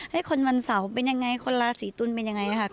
ให้คนวันเสาร์เป็นอย่างไรคนลาศีตุลเป็นอย่างไร